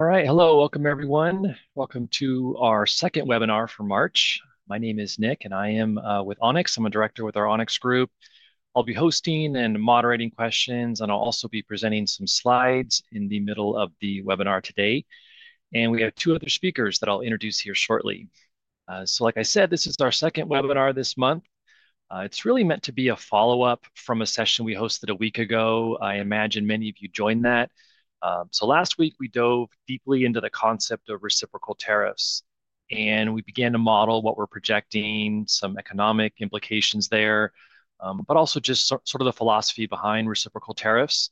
All right, hello, welcome everyone. Welcome to our second webinar for March. My name is Nick, and I am with Onyx. I'm a director with our Onyx group. I'll be hosting and moderating questions, and I'll also be presenting some slides in the middle of the webinar today. We have two other speakers that I'll introduce here shortly. Like I said, this is our second webinar this month. It's really meant to be a follow-up from a session we hosted a week ago. I imagine many of you joined that. Last week, we dove deeply into the concept of reciprocal tariffs, and we began to model what we're projecting, some economic implications there, but also just sort of the philosophy behind reciprocal tariffs.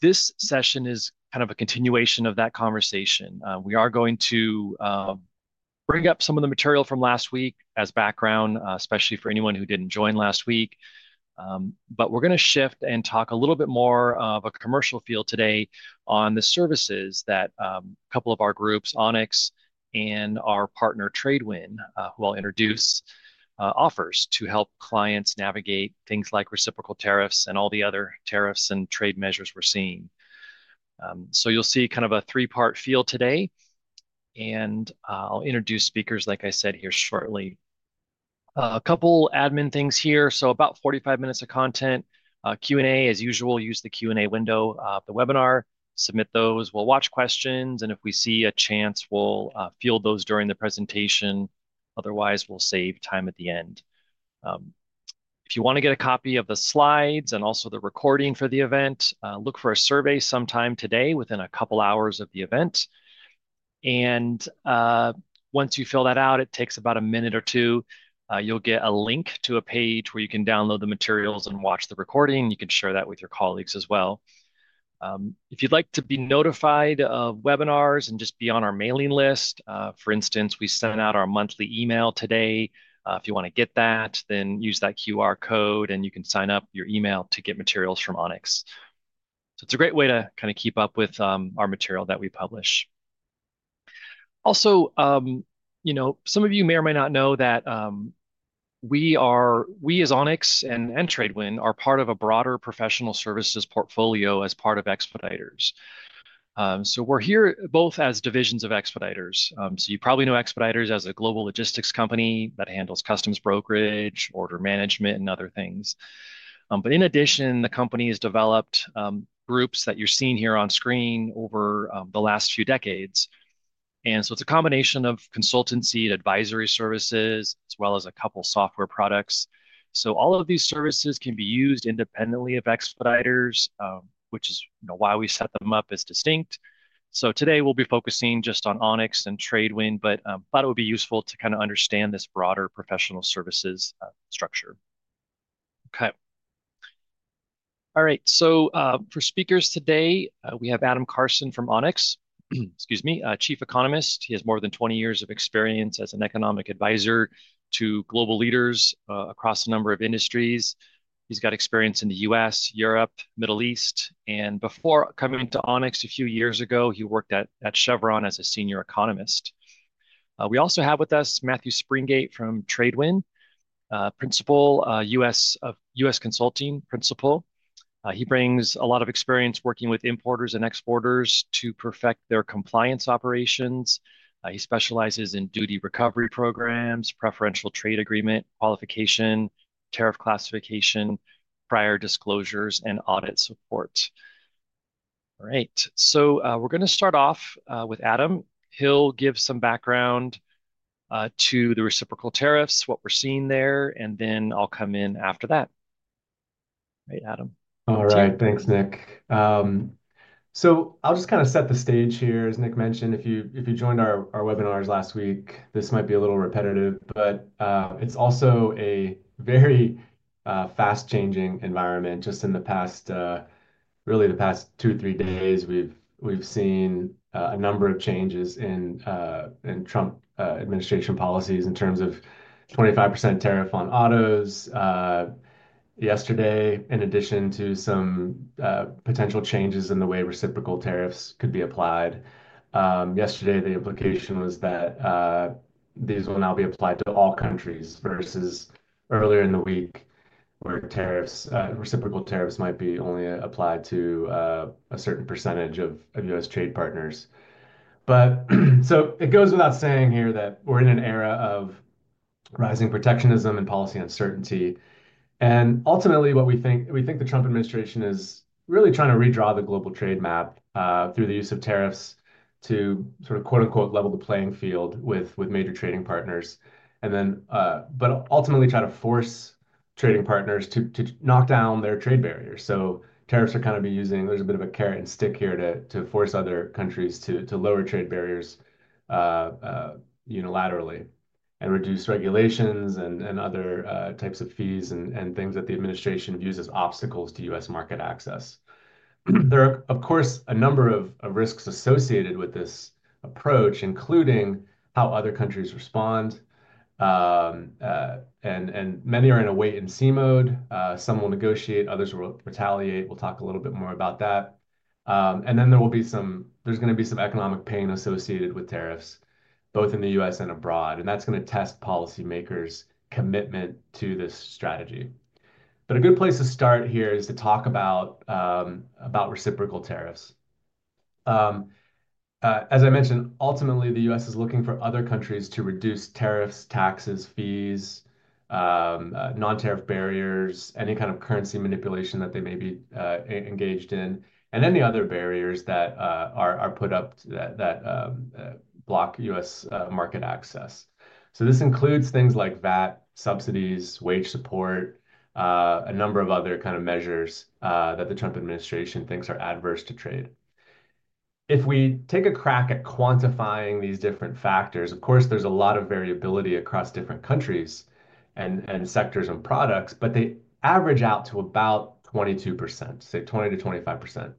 This session is kind of a continuation of that conversation. We are going to bring up some of the material from last week as background, especially for anyone who did not join last week. We are going to shift and talk a little bit more of a commercial field today on the services that a couple of our groups, Onyx and our partner, Tradewin, who I will introduce, offers to help clients navigate things like reciprocal tariffs and all the other tariffs and trade measures we are seeing. You will see kind of a three-part field today, and I will introduce speakers, like I said, here shortly. A couple of admin things here. About 45 minutes of content. Q&A, as usual, use the Q&A window of the webinar. Submit those. We will watch questions, and if we see a chance, we will field those during the presentation. Otherwise, we will save time at the end. If you want to get a copy of the slides and also the recording for the event, look for a survey sometime today within a couple of hours of the event. Once you fill that out, it takes about a minute or two. You'll get a link to a page where you can download the materials and watch the recording. You can share that with your colleagues as well. If you'd like to be notified of webinars and just be on our mailing list, for instance, we sent out our monthly email today. If you want to get that, then use that QR code, and you can sign up your email to get materials from Onyx. It's a great way to kind of keep up with our material that we publish. Also, you know, some of you may or may not know that we as Onyx and Tradewin are part of a broader professional services portfolio as part of Expeditors. We are here both as divisions of Expeditors. You probably know Expeditors as a global logistics company that handles Customs brokerage, order management, and other things. In addition, the company has developed groups that you are seeing here on screen over the last few decades. It is a combination of consultancy and advisory services, as well as a couple of software products. All of these services can be used independently of Expeditors, which is why we set them up as distinct. Today, we will be focusing just on Onyx and Tradewin, but it will be useful to kind of understand this broader professional services structure. Okay. All right. For speakers today, we have Adam Karson from Onyx, excuse me, Chief Economist. He has more than 20 years of experience as an economic advisor to global leaders across a number of industries. He's got experience in the U.S., Europe, Middle East. Before coming to Onyx a few years ago, he worked at Chevron as a senior economist. We also have with us Matthew Springate from Tradewin, U.S. Consulting Principal. He brings a lot of experience working with importers and exporters to perfect their compliance operations. He specializes in duty recovery programs, preferential trade agreement qualification, tariff classification, prior disclosures, and audit support. All right. We're going to start off with Adam. He'll give some background to the reciprocal tariffs, what we're seeing there, and then I'll come in after that. Right, Adam? All right. Thanks, Nick. I'll just kind of set the stage here. As Nick mentioned, if you joined our webinars last week, this might be a little repetitive, but it's also a very fast-changing environment. Just in the past, really the past two or three days, we've seen a number of changes in Trump administration policies in terms of 25% tariff on autos yesterday, in addition to some potential changes in the way reciprocal tariffs could be applied. Yesterday, the implication was that these will now be applied to all countries versus earlier in the week where reciprocal tariffs might be only applied to a certain percentage of U.S. trade partners. It goes without saying here that we're in an era of rising protectionism and policy uncertainty. Ultimately, what we think, we think the Trump administration is really trying to redraw the global trade map through the use of tariffs to sort of "level the playing field" with major trading partners, but ultimately try to force trading partners to knock down their trade barriers. Tariffs are kind of being used, there's a bit of a carrot and stick here to force other countries to lower trade barriers unilaterally and reduce regulations and other types of fees and things that the administration views as obstacles to U.S. market access. There are, of course, a number of risks associated with this approach, including how other countries respond. Many are in a wait-and-see mode. Some will negotiate, others will retaliate. We'll talk a little bit more about that. There will be some economic pain associated with tariffs, both in the U.S. and abroad. That is going to test policymakers' commitment to this strategy. A good place to start here is to talk about reciprocal tariffs. As I mentioned, ultimately, the U.S. is looking for other countries to reduce tariffs, taxes, fees, non-tariff barriers, any kind of currency manipulation that they may be engaged in, and any other barriers that are put up that block U.S. market access. This includes things like VAT, subsidies, wage support, a number of other kind of measures that the Trump administration thinks are adverse to trade. If we take a crack at quantifying these different factors, of course, there is a lot of variability across different countries and sectors and products, but they average out to about 22%, say 20%-25%.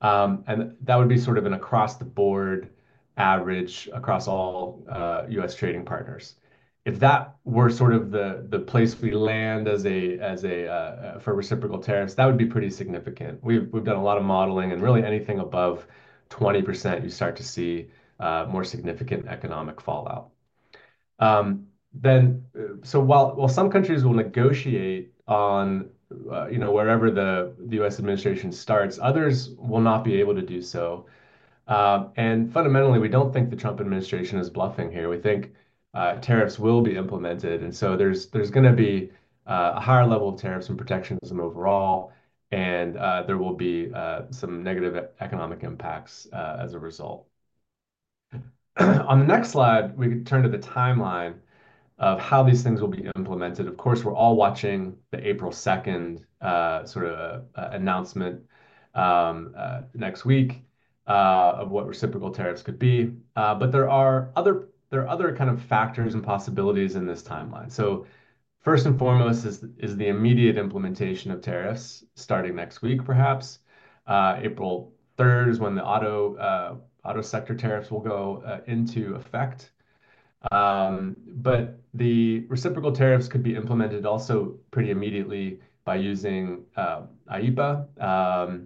That would be sort of an across-the-board average across all U.S. trading partners. If that were sort of the place we land as for reciprocal tariffs, that would be pretty significant. We've done a lot of modeling, and really anything above 20%, you start to see more significant economic fallout. While some countries will negotiate on wherever the U.S. administration starts, others will not be able to do so. Fundamentally, we don't think the Trump administration is bluffing here. We think tariffs will be implemented. There is going to be a higher level of tariffs and protectionism overall, and there will be some negative economic impacts as a result. On the next slide, we could turn to the timeline of how these things will be implemented. Of course, we're all watching the April 2nd sort of announcement next week of what reciprocal tariffs could be. There are other kind of factors and possibilities in this timeline. First and foremost is the immediate implementation of tariffs starting next week, perhaps. April 3rd is when the auto sector tariffs will go into effect. The reciprocal tariffs could be implemented also pretty immediately by using IEEPA, I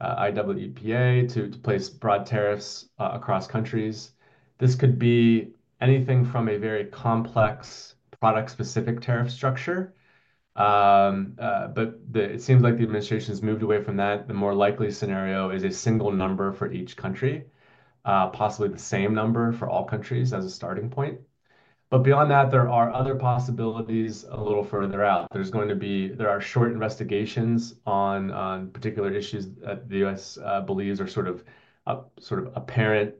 double E PA, to place broad tariffs across countries. This could be anything from a very complex product-specific tariff structure. It seems like the administration has moved away from that. The more likely scenario is a single number for each country, possibly the same number for all countries as a starting point. Beyond that, there are other possibilities a little further out. There's going to be, there are short investigations on particular issues that the U.S. believes are sort of apparent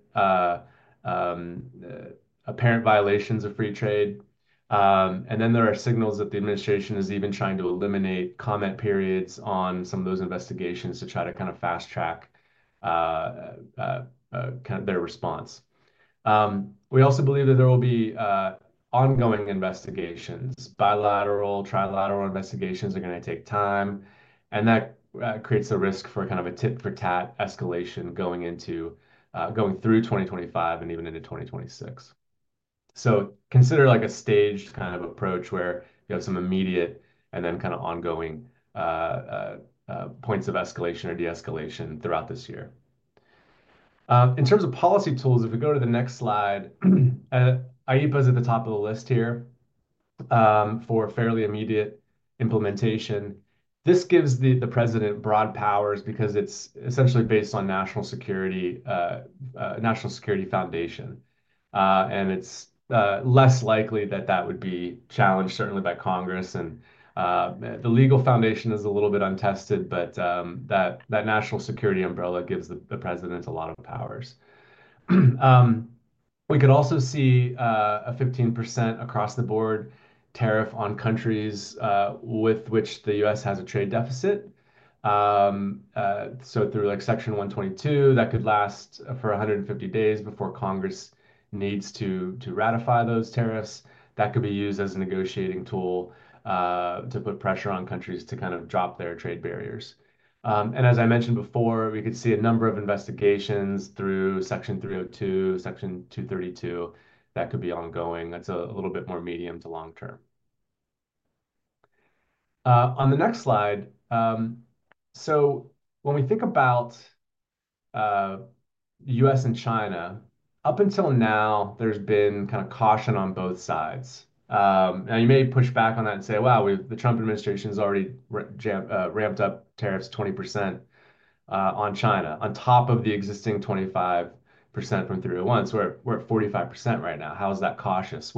violations of free trade. There are signals that the administration is even trying to eliminate comment periods on some of those investigations to try to kind of fast-track kind of their response. We also believe that there will be ongoing investigations, bilateral, trilateral investigations are going to take time, and that creates a risk for kind of a tit-for-tat escalation going through 2025 and even into 2026. Consider like a staged kind of approach where you have some immediate and then kind of ongoing points of escalation or de-escalation throughout this year. In terms of policy tools, if we go to the next slide, IEEPA is at the top of the list here for fairly immediate implementation. This gives the president broad powers because it's essentially based on national security, national security foundation. It's less likely that that would be challenged, certainly by Congress. The legal foundation is a little bit untested, but that national security umbrella gives the president a lot of powers. We could also see a 15% across-the-board tariff on countries with which the U.S. has a trade deficit. Through like Section 122, that could last for 150 days before Congress needs to ratify those tariffs. That could be used as a negotiating tool to put pressure on countries to kind of drop their trade barriers. As I mentioned before, we could see a number of investigations through Section 302, Section 232 that could be ongoing. That's a little bit more medium to long term. On the next slide, so when we think about the U.S. and China, up until now, there's been kind of caution on both sides. Now, you may push back on that and say, "Wow, the Trump administration has already ramped up tariffs 20% on China, on top of the existing 25% from 301. So we're at 45% right now. How is that cautious?"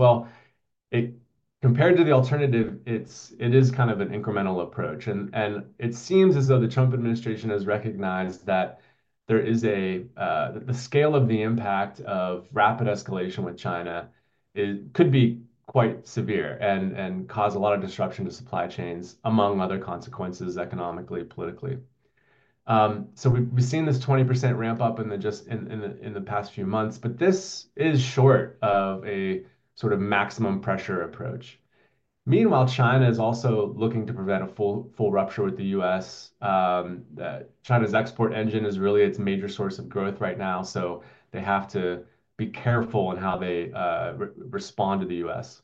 Compared to the alternative, it is kind of an incremental approach. It seems as though the Trump administration has recognized that there is a, the scale of the impact of rapid escalation with China could be quite severe and cause a lot of disruption to supply chains, among other consequences, economically, politically. We've seen this 20% ramp up just in the past few months, but this is short of a sort of maximum pressure approach. Meanwhile, China is also looking to prevent a full rupture with the U.S. China's export engine is really its major source of growth right now. They have to be careful in how they respond to the U.S.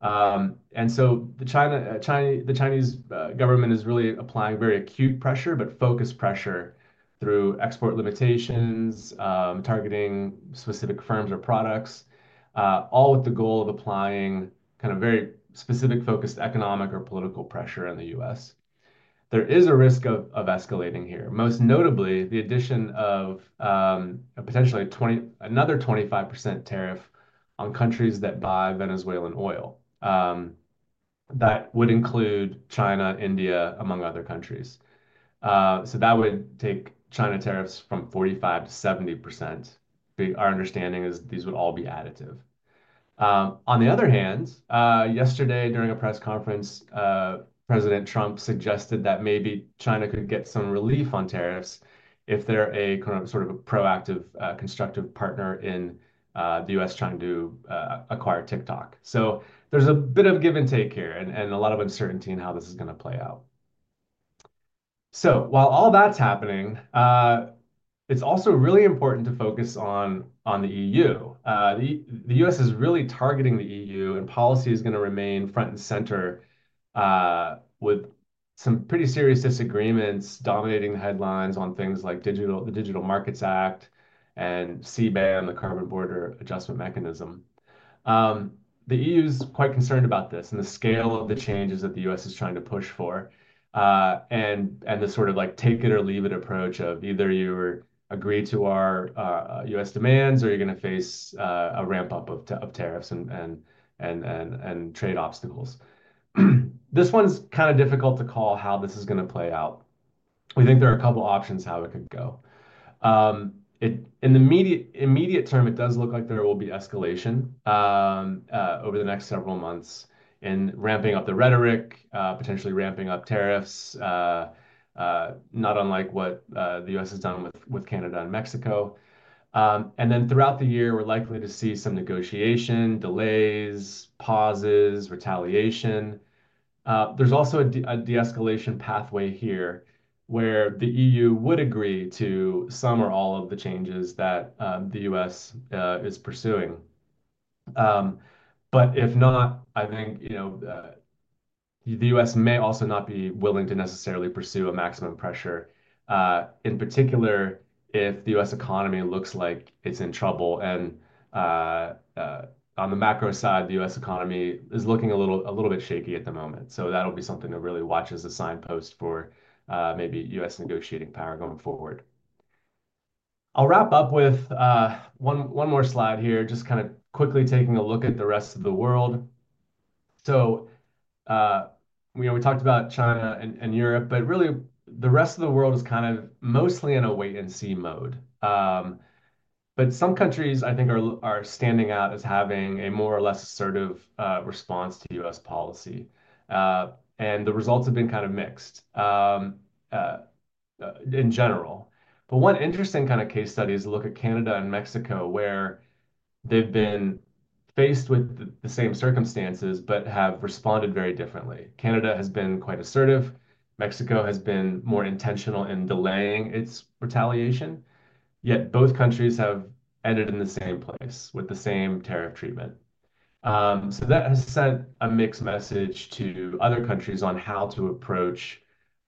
The Chinese government is really applying very acute pressure, but focused pressure through export limitations, targeting specific firms or products, all with the goal of applying kind of very specific focused economic or political pressure on the U.S. There is a risk of escalating here. Most notably, the addition of potentially another 25% tariff on countries that buy Venezuelan oil. That would include China, India, among other countries. That would take China tariffs from 45%-70%. Our understanding is these would all be additive. On the other hand, yesterday, during a press conference, President Trump suggested that maybe China could get some relief on tariffs if they're a sort of a proactive, constructive partner in the U.S. trying to acquire TikTok. There's a bit of give and take here and a lot of uncertainty in how this is going to play out. While all that's happening, it's also really important to focus on the EU. The U.S. is really targeting the EU, and policy is going to remain front and center with some pretty serious disagreements dominating the headlines on things like the Digital Markets Act and CBAM, the Carbon Border Adjustment Mechanism. The EU is quite concerned about this and the scale of the changes that the U.S. is trying to push for and the sort of like take it or leave it approach of either you agree to our U.S. demands or you're going to face a ramp-up of tariffs and trade obstacles. This one's kind of difficult to call how this is going to play out. We think there are a couple of options how it could go. In the immediate term, it does look like there will be escalation over the next several months in ramping up the rhetoric, potentially ramping up tariffs, not unlike what the U.S. has done with Canada and Mexico. Throughout the year, we're likely to see some negotiation, delays, pauses, retaliation. There's also a de-escalation pathway here where the EU would agree to some or all of the changes that the U.S. is pursuing. If not, I think the U.S. may also not be willing to necessarily pursue a maximum pressure, in particular, if the U.S. economy looks like it's in trouble. On the macro side, the U.S. economy is looking a little bit shaky at the moment. That'll be something to really watch as a signpost for maybe U.S. negotiating power going forward. I'll wrap up with one more slide here, just kind of quickly taking a look at the rest of the world. We talked about China and Europe, but really the rest of the world is kind of mostly in a wait-and-see mode. Some countries, I think, are standing out as having a more or less assertive response to U.S. policy. The results have been kind of mixed in general. One interesting kind of case study is to look at Canada and Mexico, where they've been faced with the same circumstances, but have responded very differently. Canada has been quite assertive. Mexico has been more intentional in delaying its retaliation. Yet both countries have ended in the same place with the same tariff treatment. That has sent a mixed message to other countries on how to approach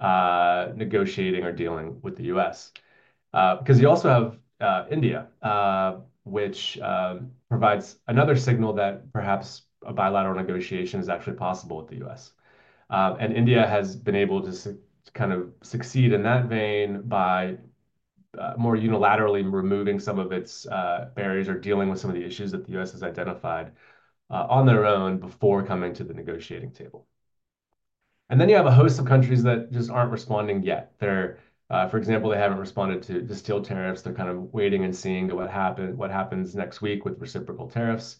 negotiating or dealing with the U.S. You also have India, which provides another signal that perhaps a bilateral negotiation is actually possible with the U.S. India has been able to kind of succeed in that vein by more unilaterally removing some of its barriers or dealing with some of the issues that the U.S. has identified on their own before coming to the negotiating table. You have a host of countries that just aren't responding yet. For example, they haven't responded to steel tariffs. They're kind of waiting and seeing what happens next week with reciprocal tariffs.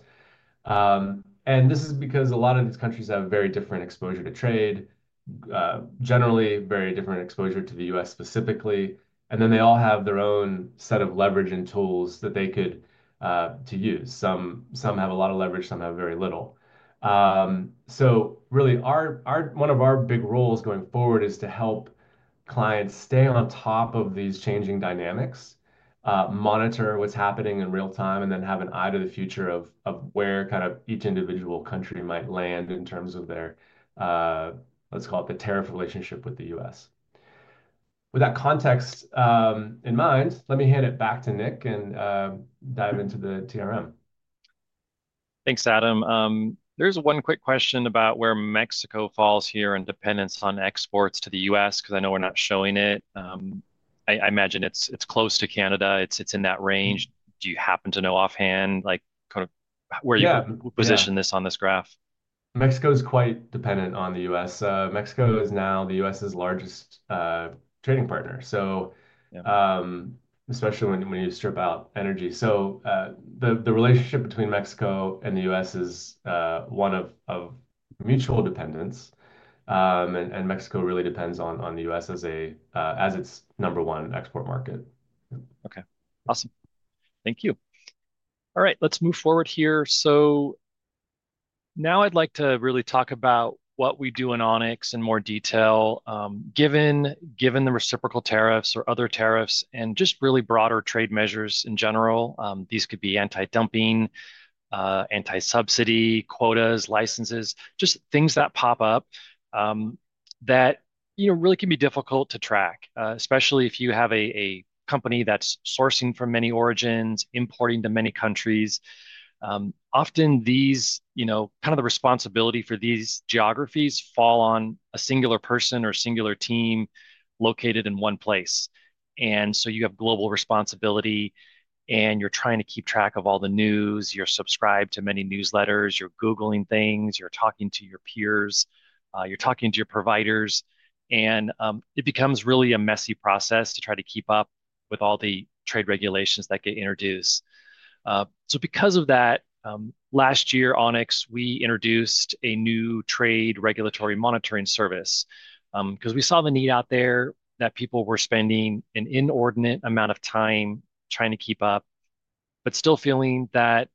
This is because a lot of these countries have very different exposure to trade, generally very different exposure to the U.S. specifically. They all have their own set of leverage and tools that they could use. Some have a lot of leverage, some have very little. Really, one of our big roles going forward is to help clients stay on top of these changing dynamics, monitor what's happening in real time, and then have an eye to the future of where kind of each individual country might land in terms of their, let's call it the tariff relationship with the U.S.. With that context in mind, let me hand it back to Nick and dive into the TRM. Thanks, Adam. There's one quick question about where Mexico falls here in dependence on exports to the U.S., because I know we're not showing it. I imagine it's close to Canada. It's in that range. Do you happen to know offhand, like kind of where you position this on this graph? Mexico is quite dependent on the U.S.. Mexico is now the U.S.'s largest trading partner, especially when you strip out energy. The relationship between Mexico and the U.S. is one of mutual dependence. Mexico really depends on the U.S. as its number one export market. Okay. Awesome. Thank you. All right. Let's move forward here. Now I'd like to really talk about what we do in Onyx in more detail. Given the reciprocal tariffs or other tariffs and just really broader trade measures in general, these could be anti-dumping, anti-subsidy, quotas, licenses, just things that pop up that really can be difficult to track, especially if you have a company that's sourcing from many origins, importing to many countries. Often, kind of the responsibility for these geographies falls on a singular person or singular team located in one place. You have global responsibility, and you're trying to keep track of all the news. You're subscribed to many newsletters. You're Googling things. You're talking to your peers. You're talking to your providers. It becomes really a messy process to try to keep up with all the trade regulations that get introduced. Because of that, last year, Onyx, we introduced a new trade regulatory monitoring service because we saw the need out there that people were spending an inordinate amount of time trying to keep up, but still feeling that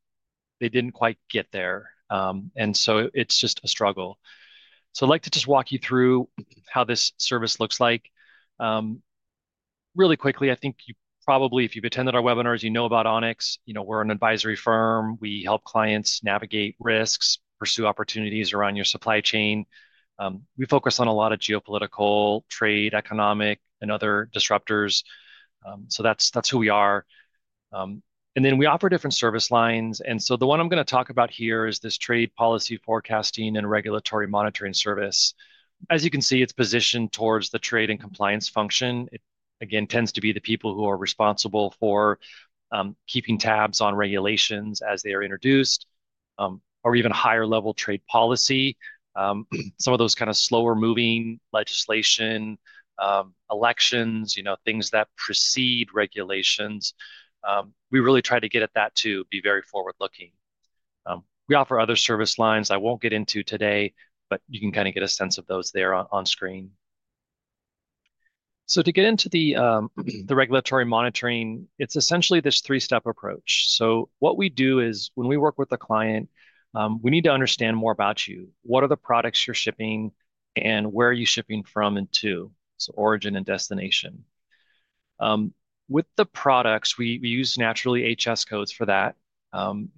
they did not quite get there. It is just a struggle. I would like to just walk you through how this service looks like. Really quickly, I think probably if you have attended our webinars, you know about Onyx. We are an advisory firm. We help clients navigate risks, pursue opportunities around your supply chain. We focus on a lot of geopolitical, trade, economic, and other disruptors. That is who we are. We offer different service lines. The one I am going to talk about here is this trade policy forecasting and regulatory monitoring service. As you can see, it is positioned towards the trade and compliance function. Again, it tends to be the people who are responsible for keeping tabs on regulations as they are introduced or even higher-level trade policy, some of those kind of slower-moving legislation, elections, things that precede regulations. We really try to get at that too, be very forward-looking. We offer other service lines I won't get into today, but you can kind of get a sense of those there on screen. To get into the regulatory monitoring, it's essentially this three-step approach. What we do is when we work with a client, we need to understand more about you. What are the products you're shipping and where are you shipping from and to? Origin and destination. With the products, we use naturally HS codes for that.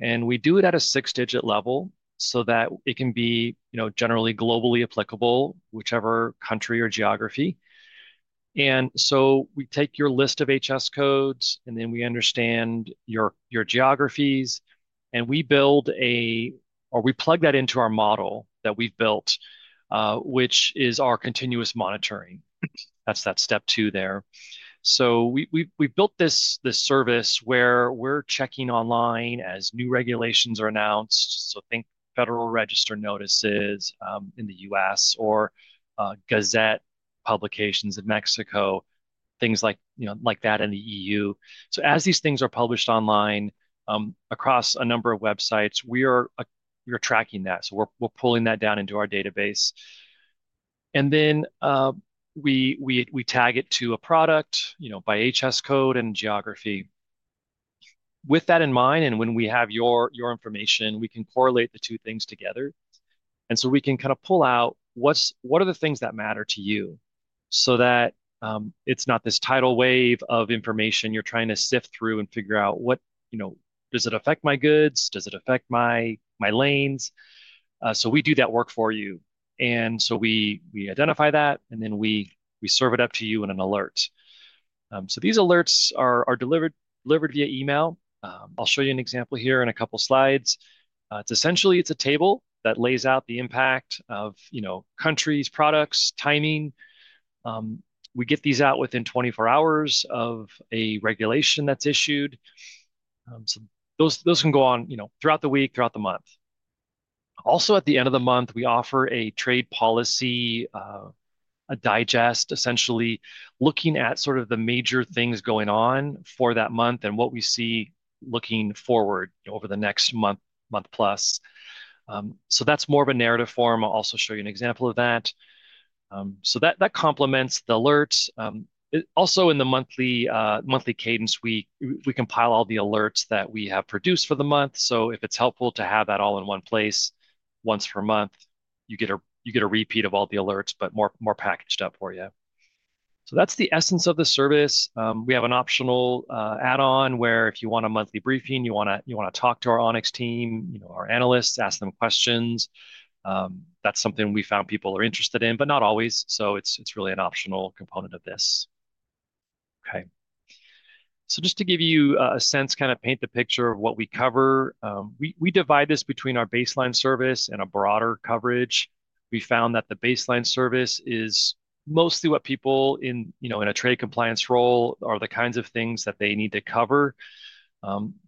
We do it at a six-digit level so that it can be generally globally applicable, whichever country or geography. We take your list of HS codes, and then we understand your geographies, and we build a, or we plug that into our model that we've built, which is our continuous monitoring. That is that step two there. We have built this service where we're checking online as new regulations are announced. Think Federal Register notices in the U.S. or Gazette publications in Mexico, things like that in the EU. As these things are published online across a number of websites, we're tracking that. We're pulling that down into our database. Then we tag it to a product by HS code and geography. With that in mind, and when we have your information, we can correlate the two things together. We can kind of pull out what are the things that matter to you so that it's not this tidal wave of information you're trying to sift through and figure out what does it affect my goods? Does it affect my lanes? We do that work for you. We identify that, and then we serve it up to you in an alert. These alerts are delivered via email. I'll show you an example here in a couple of slides. Essentially, it's a table that lays out the impact of countries, products, timing. We get these out within 24 hours of a regulation that's issued. Those can go on throughout the week, throughout the month. Also, at the end of the month, we offer a trade policy digest, essentially looking at sort of the major things going on for that month and what we see looking forward over the next month, month plus. That is more of a narrative form. I'll also show you an example of that. That complements the alerts. Also, in the monthly cadence, we compile all the alerts that we have produced for the month. If it's helpful to have that all in one place once per month, you get a repeat of all the alerts, but more packaged up for you. That is the essence of the service. We have an optional add-on where if you want a monthly briefing, you want to talk to our Onyx team, our analysts, ask them questions. That is something we found people are interested in, but not always. It's really an optional component of this. Okay. Just to give you a sense, kind of paint the picture of what we cover, we divide this between our baseline service and a broader coverage. We found that the baseline service is mostly what people in a trade compliance role are the kinds of things that they need to cover.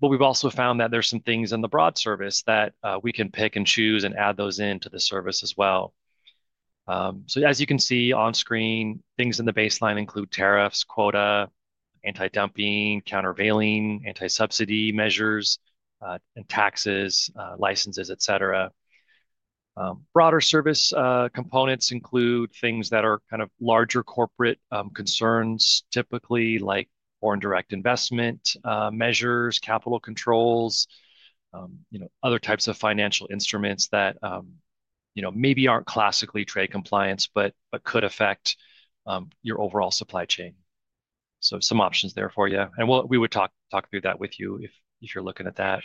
We've also found that there's some things in the broad service that we can pick and choose and add those into the service as well. As you can see on screen, things in the baseline include tariffs, quota, anti-dumping, countervailing, anti-subsidy measures, and taxes, licenses, etc. Broader service components include things that are kind of larger corporate concerns, typically like foreign direct investment measures, capital controls, other types of financial instruments that maybe aren't classically trade compliance, but could affect your overall supply chain. Some options there for you. We would talk through that with you if you're looking at that.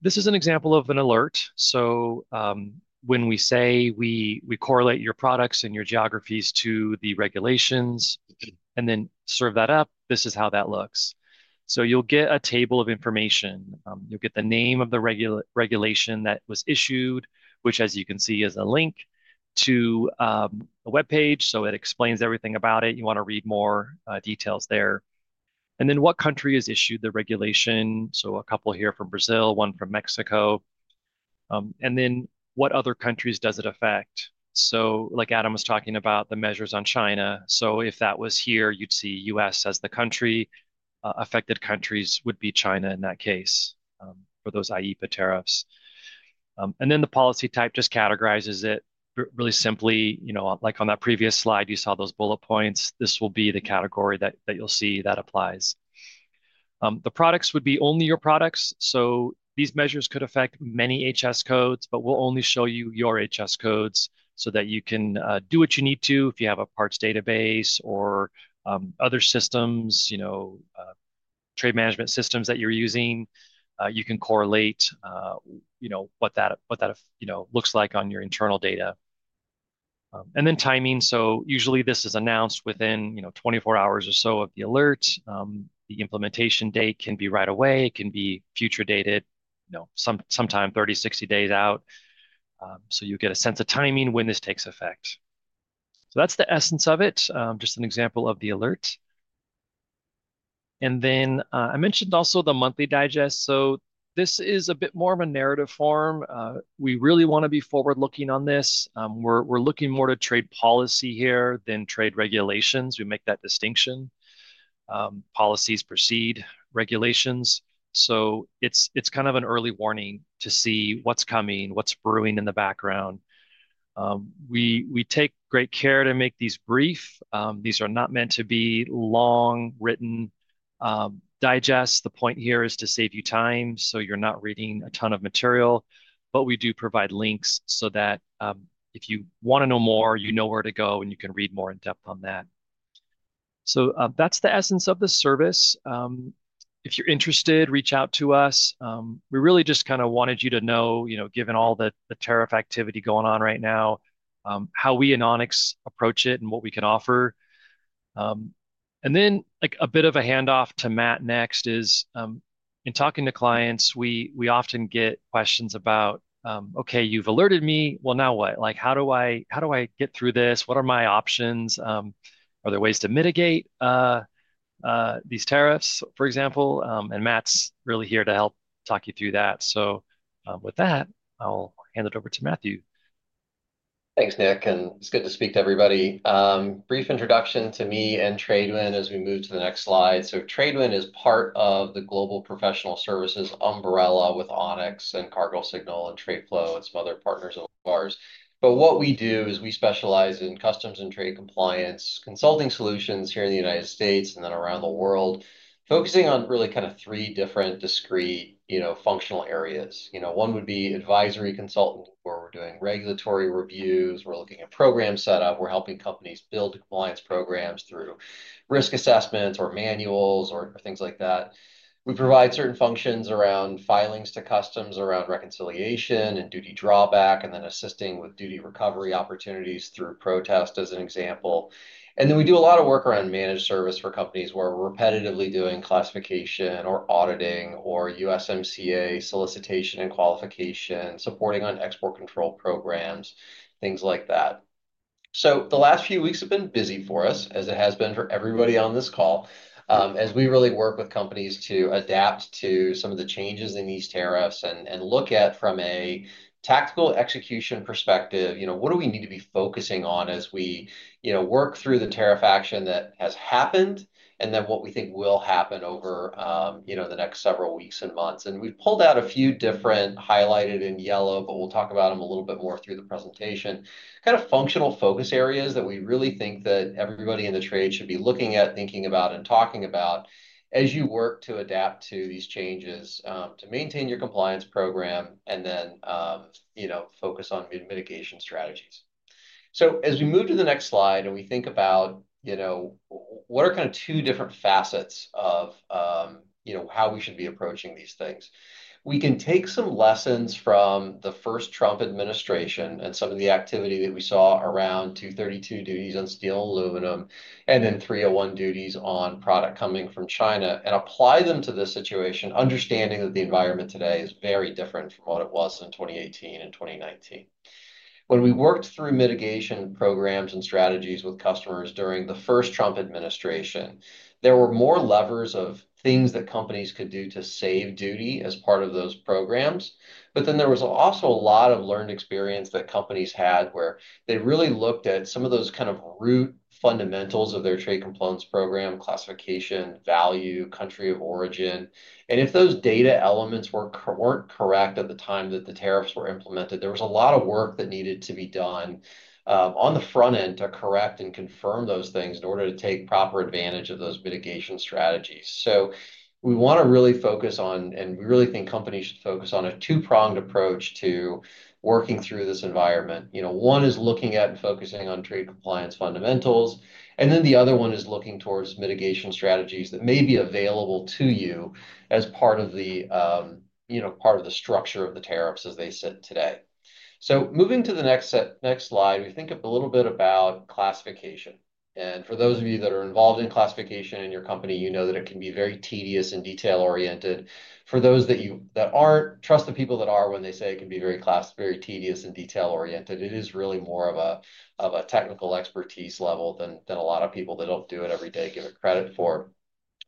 This is an example of an alert. When we say we correlate your products and your geographies to the regulations and then serve that up, this is how that looks. You'll get a table of information. You'll get the name of the regulation that was issued, which, as you can see, is a link to a web page. It explains everything about it. You want to read more details there. What country has issued the regulation? A couple here from Brazil, one from Mexico. What other countries does it affect? Like Adam was talking about, the measures on China. If that was here, you'd see U.S. as the country. Affected countries would be China in that case for those IEEPA tariffs. The policy type just categorizes it really simply. Like on that previous slide, you saw those bullet points. This will be the category that you'll see that applies. The products would be only your products. These measures could affect many HS codes, but we'll only show you your HS codes so that you can do what you need to. If you have a parts database or other systems, trade management systems that you're using, you can correlate what that looks like on your internal data. Timing is usually announced within 24 hours or so of the alert. The implementation date can be right away. It can be future-dated, sometime 30-60 days out. You get a sense of timing when this takes effect. That's the essence of it. Just an example of the alert. I mentioned also the monthly digest. This is a bit more of a narrative form. We really want to be forward-looking on this. We're looking more to trade policy here than trade regulations. We make that distinction. Policies precede regulations. It's kind of an early warning to see what's coming, what's brewing in the background. We take great care to make these brief. These are not meant to be long-written digests. The point here is to save you time so you're not reading a ton of material. We do provide links so that if you want to know more, you know where to go, and you can read more in depth on that. That's the essence of the service. If you're interested, reach out to us. We really just kind of wanted you to know, given all the tariff activity going on right now, how we in Onyx approach it and what we can offer. And then a bit of a handoff to Matt next is, in talking to clients, we often get questions about, "Okay, you've alerted me. Well, now what? How do I get through this? What are my options? Are there ways to mitigate these tariffs, for example?" Matt's really here to help talk you through that. With that, I'll hand it over to Matthew. Thanks, Nick. It's good to speak to everybody. Brief introduction to me and Tradewin as we move to the next slide. Tradewin is part of the Global Professional Services umbrella with Onyx and Cargo Signal and Tradeflow and some other partners of ours. What we do is we specialize in customs and trade compliance consulting solutions here in the United States and then around the world, focusing on really kind of three different discrete functional areas. One would be advisory consultant, where we're doing regulatory reviews. We're looking at program setup. We're helping companies build compliance programs through risk assessments or manuals or things like that. We provide certain functions around filings to Customs around reconciliation and duty drawback, and then assisting with duty recovery opportunities through protest as an example. We do a lot of work around managed service for companies where we're repetitively doing classification or auditing or USMCA solicitation and qualification, supporting on export control programs, things like that. The last few weeks have been busy for us, as it has been for everybody on this call, as we really work with companies to adapt to some of the changes in these tariffs and look at from a tactical execution perspective, what do we need to be focusing on as we work through the tariff action that has happened and then what we think will happen over the next several weeks and months. We have pulled out a few different highlighted in yellow, but we will talk about them a little bit more through the presentation, kind of functional focus areas that we really think that everybody in the trade should be looking at, thinking about, and talking about as you work to adapt to these changes to maintain your compliance program and then focus on mitigation strategies. As we move to the next slide and we think about what are kind of two different facets of how we should be approaching these things, we can take some lessons from the first Trump administration and some of the activity that we saw around 232 duties on steel and aluminum and then 301 duties on product coming from China and apply them to this situation, understanding that the environment today is very different from what it was in 2018 and 2019. When we worked through mitigation programs and strategies with customers during the first Trump administration, there were more levers of things that companies could do to save duty as part of those programs. There was also a lot of learned experience that companies had where they really looked at some of those kind of root fundamentals of their trade compliance program, classification, value, country of origin. If those data elements were not correct at the time that the tariffs were implemented, there was a lot of work that needed to be done on the front end to correct and confirm those things in order to take proper advantage of those mitigation strategies. We want to really focus on, and we really think companies should focus on, a two-pronged approach to working through this environment. One is looking at and focusing on trade compliance fundamentals. The other one is looking towards mitigation strategies that may be available to you as part of the structure of the tariffs as they sit today. Moving to the next slide, we think a little bit about classification. And for those of you that are involved in classification in your company, you know that it can be very tedious and detail-oriented. For those that aren't, trust the people that are when they say it can be very tedious and detail-oriented. It is really more of a technical expertise level than a lot of people that don't do it every day, give it credit for.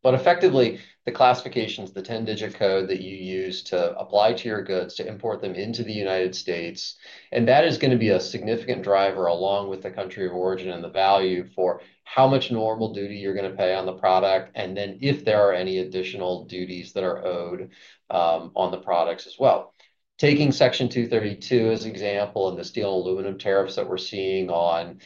But effectively, the classification is the 10-digit code that you use to apply to your goods to import them into the United States. And that is going to be a significant driver along with the country of origin and the value for how much normal duty you're going to pay on the product and then if there are any additional duties that are owed on the products as well. Taking Section 232 as an example and the steel and aluminum tariffs that we're seeing on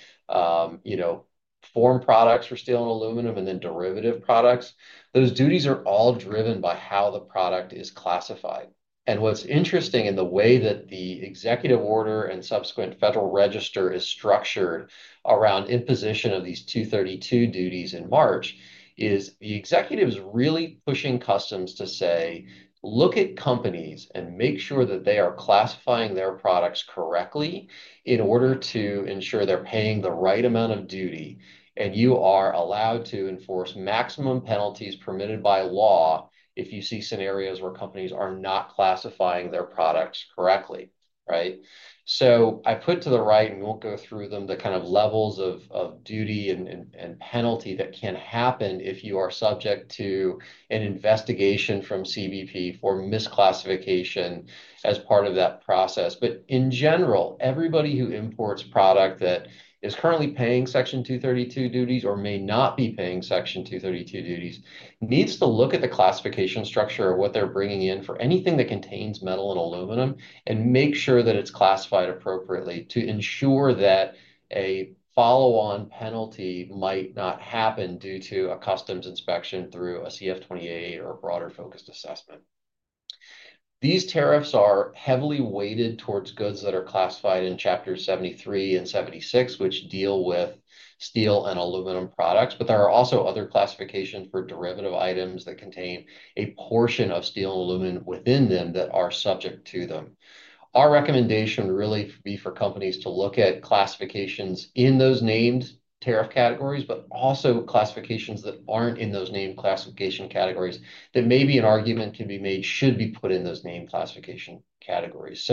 foreign products for steel and aluminum and then derivative products, those duties are all driven by how the product is classified. What's interesting in the way that the executive order and subsequent Federal Register is structured around imposition of these 232 duties in March is the executive is really pushing Customs to say, "Look at companies and make sure that they are classifying their products correctly in order to ensure they're paying the right amount of duty. You are allowed to enforce maximum penalties permitted by law if you see scenarios where companies are not classifying their products correctly." Right? I put to the right, and we won't go through them, the kind of levels of duty and penalty that can happen if you are subject to an investigation from CBP for misclassification as part of that process. In general, everybody who imports product that is currently paying Section 232 duties or may not be paying Section 232 duties needs to look at the classification structure of what they're bringing in for anything that contains metal and aluminum and make sure that it's classified appropriately to ensure that a follow-on penalty might not happen due to a Customs inspection through a CF-28 or a broader focused assessment. These tariffs are heavily weighted towards goods that are classified in Chapter 73 and 76, which deal with steel and aluminum products. There are also other classifications for derivative items that contain a portion of steel and aluminum within them that are subject to them. Our recommendation would really be for companies to look at classifications in those named tariff categories, but also classifications that are not in those named classification categories that maybe an argument can be made should be put in those named classification categories.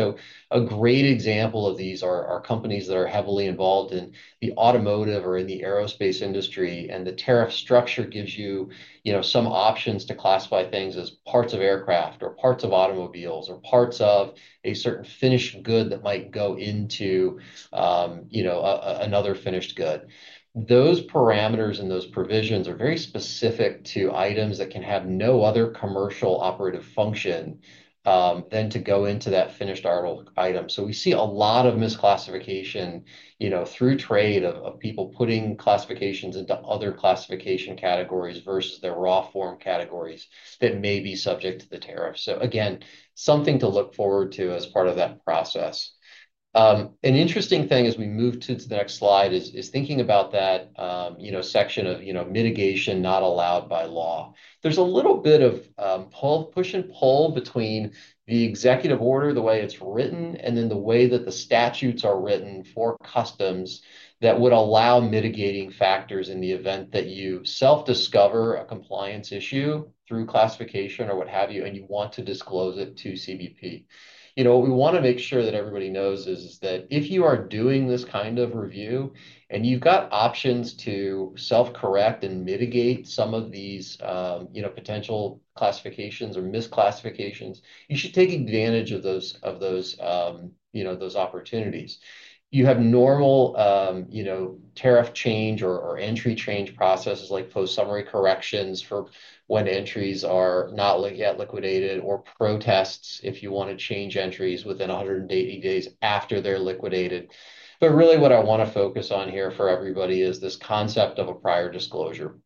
A great example of these are companies that are heavily involved in the automotive or in the aerospace industry. The tariff structure gives you some options to classify things as parts of aircraft or parts of automobiles or parts of a certain finished good that might go into another finished good. Those parameters and those provisions are very specific to items that can have no other commercial operative function than to go into that finished item. We see a lot of misclassification through trade of people putting classifications into other classification categories versus their raw form categories that may be subject to the tariff. Again, something to look forward to as part of that process. An interesting thing as we move to the next slide is thinking about that section of mitigation not allowed by law. There's a little bit of push and pull between the executive order, the way it's written, and then the way that the statutes are written for Customs that would allow mitigating factors in the event that you self-discover a compliance issue through classification or what have you, and you want to disclose it to CBP. What we want to make sure that everybody knows is that if you are doing this kind of review and you've got options to self-correct and mitigate some of these potential classifications or misclassifications, you should take advantage of those opportunities. You have normal tariff change or entry change processes like post-summary corrections for when entries are not yet liquidated or protests if you want to change entries within 180 days after they're liquidated. Really what I want to focus on here for everybody is this concept of a prior disclosure.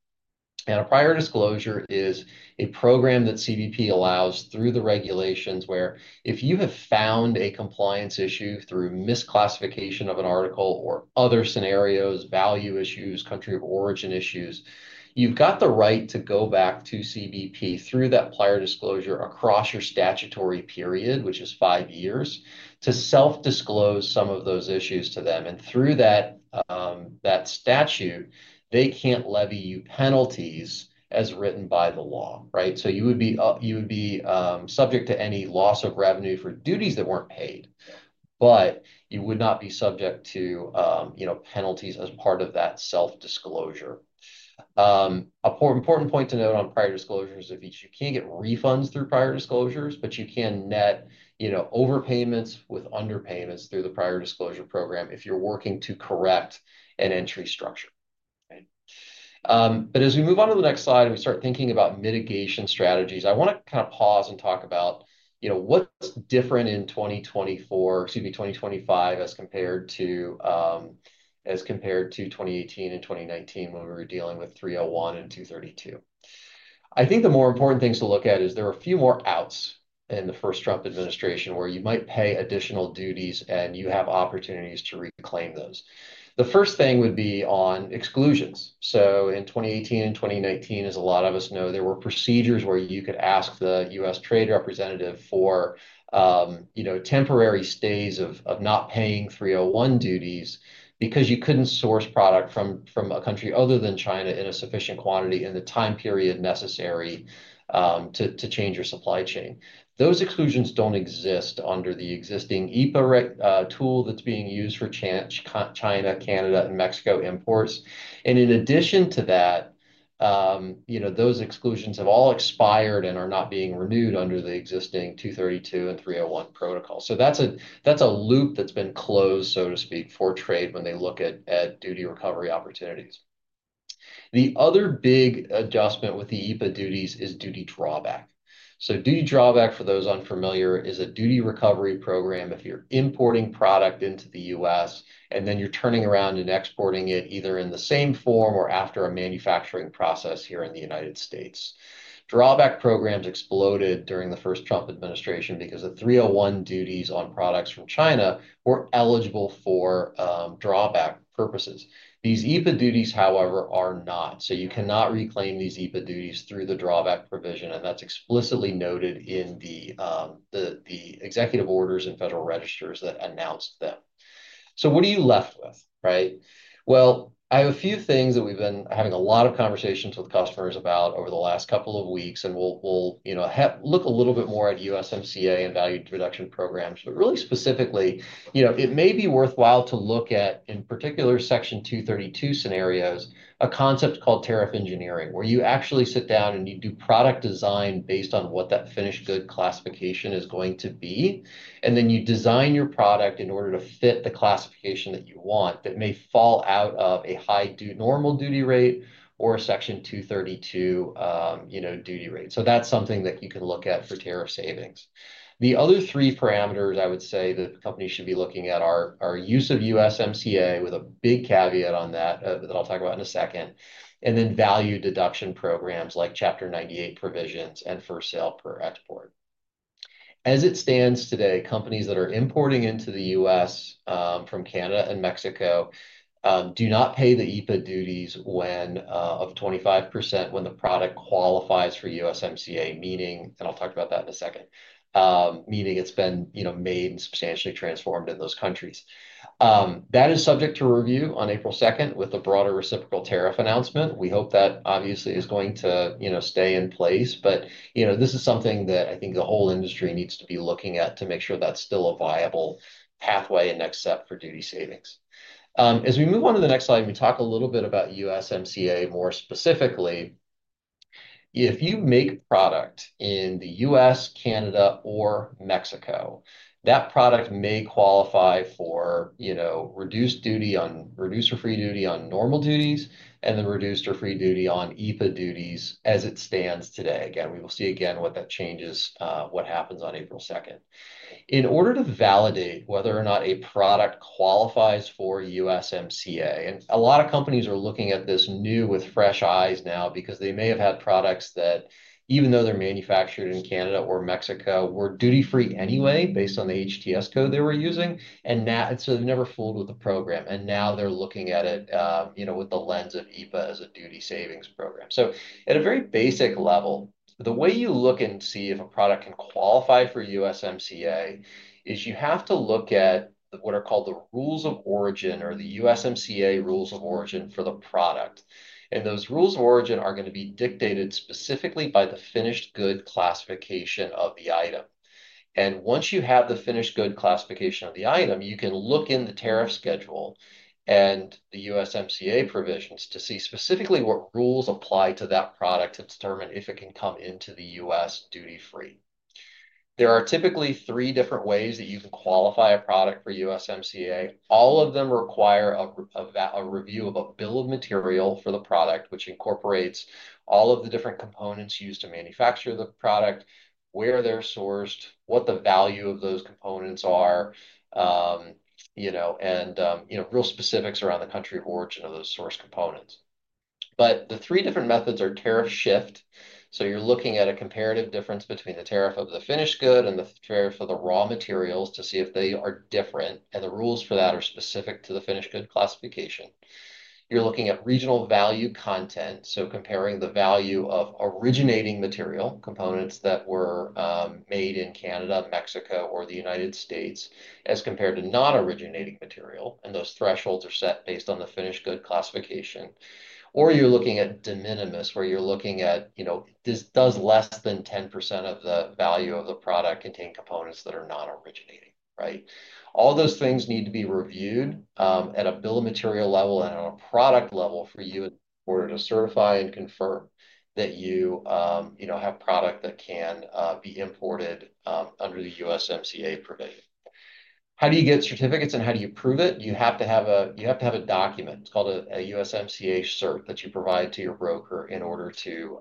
A prior disclosure is a program that CBP allows through the regulations where if you have found a compliance issue through misclassification of an article or other scenarios, value issues, country of origin issues, you've got the right to go back to CBP through that prior disclosure across your statutory period, which is five years, to self-disclose some of those issues to them. Through that statute, they can't levy you penalties as written by the law. Right? You would be subject to any loss of revenue for duties that weren't paid, but you would not be subject to penalties as part of that self-disclosure. An important point to note on prior disclosures is that you can't get refunds through prior disclosures, but you can net overpayments with underpayments through the prior disclosure program if you're working to correct an entry structure. As we move on to the next slide and we start thinking about mitigation strategies, I want to kind of pause and talk about what's different in 2024, excuse me, 2025 as compared to 2018 and 2019 when we were dealing with 301 and 232. I think the more important things to look at is there are a few more outs in the first Trump administration where you might pay additional duties and you have opportunities to reclaim those. The first thing would be on exclusions. In 2018 and 2019, as a lot of us know, there were procedures where you could ask the U.S. Trade Representative for temporary stays of not paying 301 duties because you could not source product from a country other than China in a sufficient quantity in the time period necessary to change your supply chain. Those exclusions do not exist under the existing IEEPA tool that is being used for China, Canada, and Mexico imports. In addition to that, those exclusions have all expired and are not being renewed under the existing 232 and 301 protocols. That is a loop that has been closed, so to speak, for trade when they look at duty recovery opportunities. The other big adjustment with the IEEPA duties is duty drawback. Duty drawback, for those unfamiliar, is a duty recovery program if you are importing product into the U.S. and then you are turning around and exporting it either in the same form or after a manufacturing process here in the United States. Drawback programs exploded during the first Trump administration because the 301 duties on products from China were eligible for drawback purposes. These IEEPA duties, however, are not. You cannot reclaim these IEEPA duties through the drawback provision. That is explicitly noted in the executive orders and Federal Registers that announced them. What are you left with? Right? I have a few things that we have been having a lot of conversations with customers about over the last couple of weeks. We will look a little bit more at USMCA and value reduction programs. Really specifically, it may be worthwhile to look at, in particular, Section 232 scenarios, a concept called tariff engineering where you actually sit down and you do product design based on what that finished good classification is going to be. You design your product in order to fit the classification that you want that may fall out of a high normal duty rate or a Section 232 duty rate. That is something that you can look at for tariff savings. The other three parameters I would say that companies should be looking at are use of USMCA with a big caveat on that that I'll talk about in a second, and then value deduction programs like Chapter 98 provisions and First Sale for Export. As it stands today, companies that are importing into the U.S. from Canada and Mexico do not pay the IEEPA duties of 25% when the product qualifies for USMCA, meaning—and I'll talk about that in a second—meaning it's been made and substantially transformed in those countries. That is subject to review on April 2nd with a broader reciprocal tariff announcement. We hope that, obviously, is going to stay in place. This is something that I think the whole industry needs to be looking at to make sure that's still a viable pathway and next step for duty savings. As we move on to the next slide and we talk a little bit about USMCA more specifically, if you make product in the U.S., Canada, or Mexico, that product may qualify for reduced duty on reduced or free duty on normal duties and then reduced or free duty on IEEPA duties as it stands today. Again, we will see again what that changes, what happens on April 2nd. In order to validate whether or not a product qualifies for USMCA—a lot of companies are looking at this new with fresh eyes now because they may have had products that, even though they're manufactured in Canada or Mexico, were duty-free anyway based on the HTS code they were using. They have never fooled with the program. Now they're looking at it with the lens of IEEPA as a duty savings program. At a very basic level, the way you look and see if a product can qualify for USMCA is you have to look at what are called the rules of origin or the USMCA rules of origin for the product. Those rules of origin are going to be dictated specifically by the finished good classification of the item. Once you have the finished good classification of the item, you can look in the tariff schedule and the USMCA provisions to see specifically what rules apply to that product to determine if it can come into the U.S. duty-free. There are typically three different ways that you can qualify a product for USMCA. All of them require a review of a bill of material for the product, which incorporates all of the different components used to manufacture the product, where they're sourced, what the value of those components are, and real specifics around the country of origin of those source components. The three different methods are tariff shift. You're looking at a comparative difference between the tariff of the finished good and the tariff of the raw materials to see if they are different. The rules for that are specific to the finished good classification. You're looking at regional value content, so comparing the value of originating material components that were made in Canada, Mexico, or the United States as compared to non-originating material. Those thresholds are set based on the finished good classification. Or you're looking at de minimis, where you're looking at this: does less than 10% of the value of the product contain components that are non-originating? Right? All those things need to be reviewed at a bill of material level and on a product level for you in order to certify and confirm that you have product that can be imported under the USMCA provision. How do you get certificates and how do you prove it? You have to have a—you have to have a document. It's called a USMCA cert that you provide to your broker in order to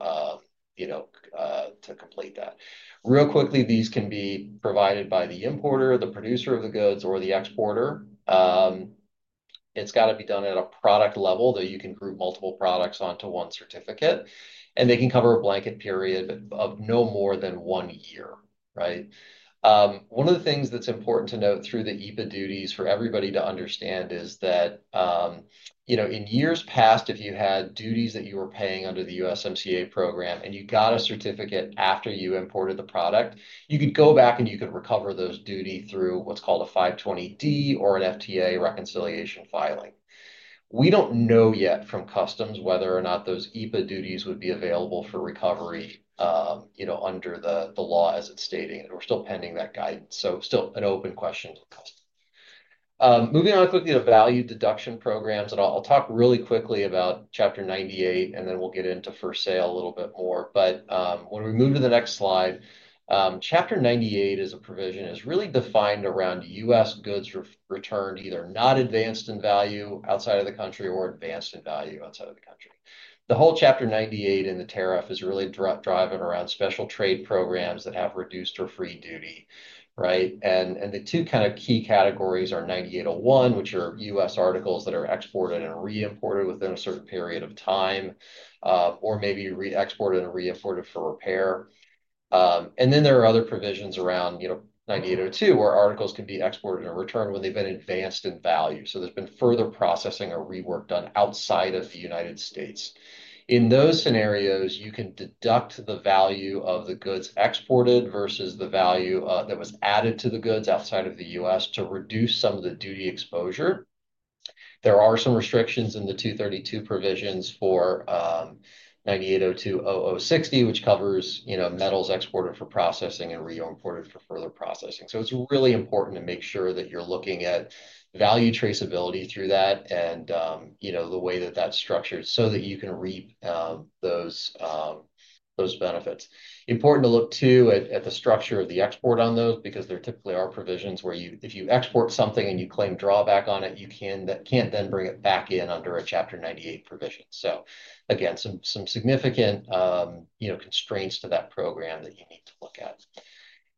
complete that. Real quickly, these can be provided by the importer, the producer of the goods, or the exporter. It's got to be done at a product level that you can group multiple products onto one certificate. They can cover a blanket period of no more than one year. Right? One of the things that's important to note through the IEEPA duties for everybody to understand is that in years past, if you had duties that you were paying under the USMCA program and you got a certificate after you imported the product, you could go back and you could recover those duty through what's called a 520(d) or an FTA reconciliation filing. We don't know yet from Customs whether or not those IEEPA duties would be available for recovery under the law as it's stating. We're still pending that guidance. Still an open question to customers. Moving on quickly to value deduction programs. I'll talk really quickly about Chapter 98, and then we'll get into First Sale a little bit more. When we move to the next slide, Chapter 98 is a provision that is really defined around U.S. goods returned either not advanced in value outside of the country or advanced in value outside of the country. The whole Chapter 98 in the tariff is really driving around special trade programs that have reduced or free duty. Right? The two kind of key categories are 9801, which are U.S. articles that are exported and re-imported within a certain period of time or maybe re-exported and re-imported for repair. There are other provisions around 9802 where articles can be exported and returned when they've been advanced in value. There has been further processing or rework done outside of the United States. In those scenarios, you can deduct the value of the goods exported versus the value that was added to the goods outside of the U.S. to reduce some of the duty exposure. There are some restrictions in the 232 provisions for 9802.00.60, which covers metals exported for processing and re-imported for further processing. It is really important to make sure that you're looking at value traceability through that and the way that that's structured so that you can reap those benefits. Important to look too at the structure of the export on those because there typically are provisions where if you export something and you claim drawback on it, you can't then bring it back in under a Chapter 98 provision. Again, some significant constraints to that program that you need to look at.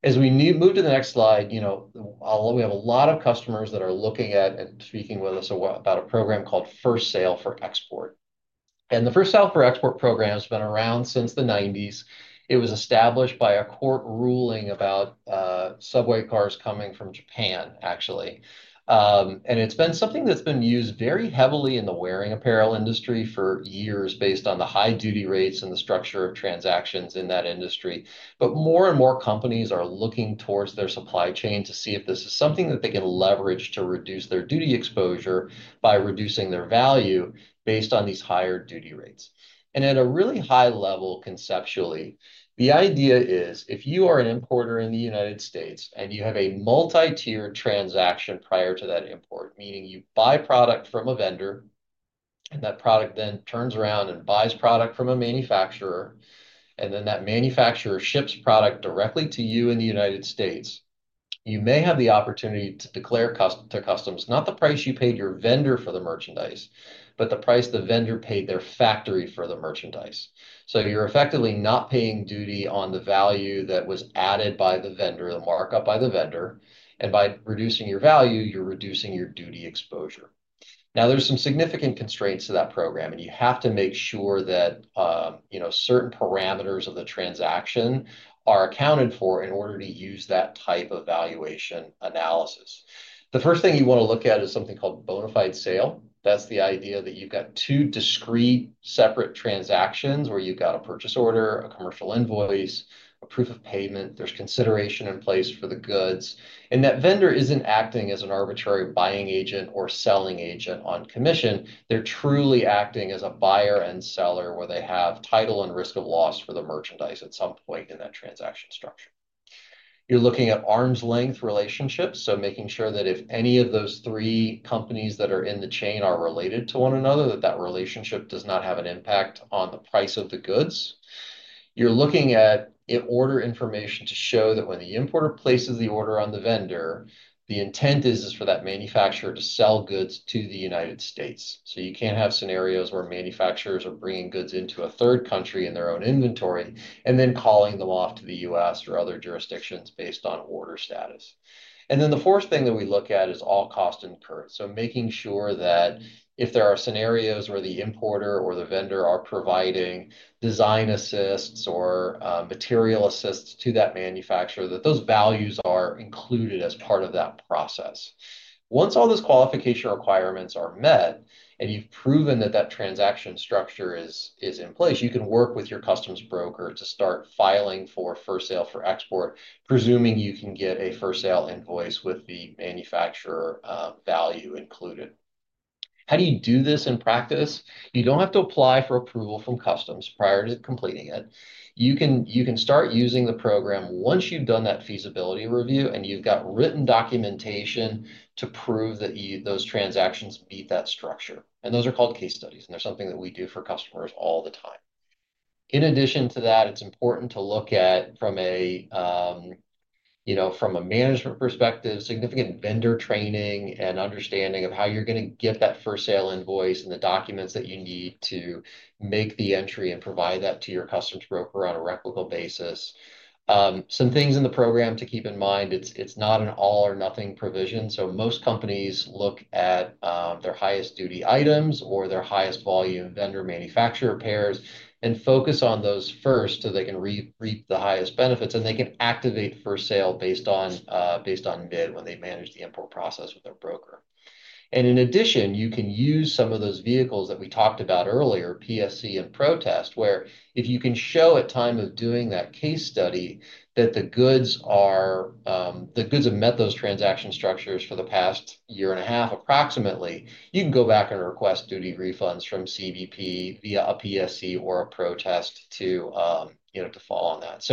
As we move to the next slide, we have a lot of customers that are looking at and speaking with us about a program called First Sale for Export. The First Sale for Export program has been around since the 1990s. It was established by a court ruling about subway cars coming from Japan, actually. It's been something that's been used very heavily in the wearing apparel industry for years based on the high duty rates and the structure of transactions in that industry. More and more companies are looking towards their supply chain to see if this is something that they can leverage to reduce their duty exposure by reducing their value based on these higher duty rates. At a really high level, conceptually, the idea is if you are an importer in the United States and you have a multi-tier transaction prior to that import, meaning you buy product from a vendor and that product then turns around and buys product from a manufacturer, and then that manufacturer ships product directly to you in the United States, you may have the opportunity to declare to Customs not the price you paid your vendor for the merchandise, but the price the vendor paid their factory for the merchandise. You're effectively not paying duty on the value that was added by the vendor, the markup by the vendor. By reducing your value, you're reducing your duty exposure. Now, there's some significant constraints to that program, and you have to make sure that certain parameters of the transaction are accounted for in order to use that type of valuation analysis. The first thing you want to look at is something called bona fide sale. That's the idea that you've got two discrete separate transactions where you've got a purchase order, a commercial invoice, a proof of payment. There's consideration in place for the goods. That vendor isn't acting as an arbitrary buying agent or selling agent on commission. They're truly acting as a buyer and seller where they have title and risk of loss for the merchandise at some point in that transaction structure. You're looking at arm's length relationships, so making sure that if any of those three companies that are in the chain are related to one another, that that relationship does not have an impact on the price of the goods. You're looking at order information to show that when the importer places the order on the vendor, the intent is for that manufacturer to sell goods to the United States. You can't have scenarios where manufacturers are bringing goods into a third country in their own inventory and then calling them off to the U.S. or other jurisdictions based on order status. The fourth thing that we look at is all cost incurred. Making sure that if there are scenarios where the importer or the vendor are providing design assists or material assists to that manufacturer, those values are included as part of that process. Once all those qualification requirements are met and you've proven that that transaction structure is in place, you can work with your Customs broker to start filing for First Sale for Export, presuming you can get a First Sale invoice with the manufacturer value included. How do you do this in practice? You don't have to apply for approval from Customs prior to completing it. You can start using the program once you've done that feasibility review and you've got written documentation to prove that those transactions meet that structure. Those are called case studies. They're something that we do for customers all the time. In addition to that, it's important to look at, from a management perspective, significant vendor training and understanding of how you're going to get that First Sale invoice and the documents that you need to make the entry and provide that to your Customs broker on a replicable basis. Some things in the program to keep in mind, it's not an all-or-nothing provision. Most companies look at their highest duty items or their highest volume vendor manufacturer pairs and focus on those first so they can reap the highest benefits and they can activate First Sale based on bid when they manage the import process with their broker. In addition, you can use some of those vehicles that we talked about earlier, PSC and protest, where if you can show at time of doing that case study that the goods have met those transaction structures for the past year and a half, approximately, you can go back and request duty refunds from CBP via a PSC or a protest to fall on that.